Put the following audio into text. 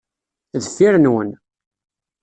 Deffir-nwen.